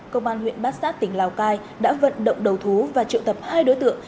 công an huyện bát sát tỉnh lào cai đã vận động đầu thú và triệu tập hai đối tượng